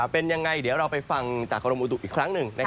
เป็นยังไงเดี๋ยวเราไปฟังจากกรมอุตุอีกครั้งหนึ่ง